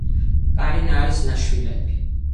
კარინა არის ნაშვილები.